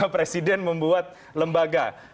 presiden membuat lembaga